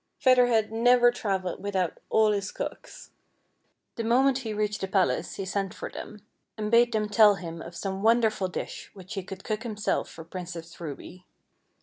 Feather Head never travelled without all his cooks. The moment he reached the palace he sent for them, and bade them tell him of some wonderful dish which he could cook himself for Princess Ruby.